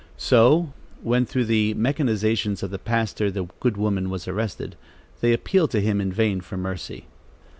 So when, through the machinations of the pastor, the good woman was arrested, they appealed to him in vain for mercy.